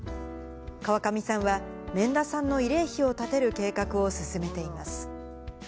川上さんは、免田さんの慰霊碑を建てる計画を進めています。